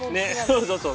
そうそうそう。